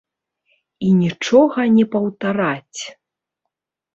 І нічога не паўтараць.